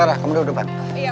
yaudah naik motor ikutin ya